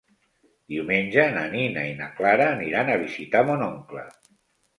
Diumenge na Nina i na Clara aniran a visitar mon oncle.